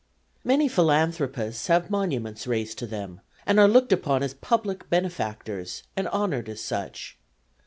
Many philanthropists have monuments raised to them and are looked upon as public benefactors and honored as such.